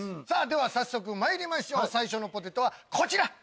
では早速まいりましょう最初のポテトはこちら！